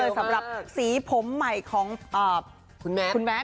สำหรับสีผมใหม่ของคุณแมท